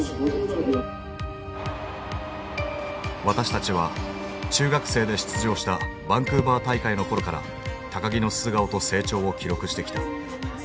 私たちは中学生で出場したバンクーバー大会の頃から木の素顔と成長を記録してきた。